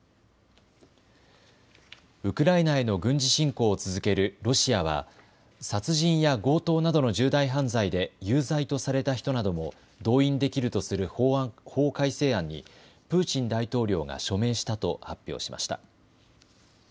ウクライナへの軍事侵攻を続けるロシアは殺人や強盗などの重大犯罪で有罪とされた人なども動員できるとする法改正案にプーチン大統領が署名したと発表しました。